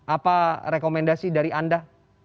apa rekomendasi dari anda